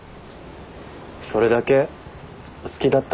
それだけ好きだったのかもね。